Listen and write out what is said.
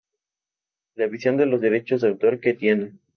La visión de los derechos de autor que tiene